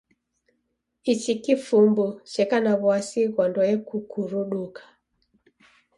Ichi kifumbu cheka na w'asi ghwa ndoe kukuruduka.